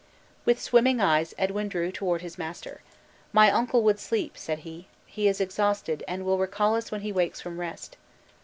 With swimming eyes Edwin drew toward his master. "My uncle would sleep," said he; "he is exhausted, and will recall us when he wakes from rest."